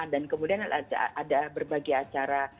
dan kemudian ada berbagai acara